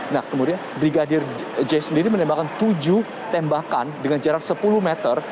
nah kemudian brigadir j sendiri menembakkan tujuh tembakan dengan jarak sepuluh meter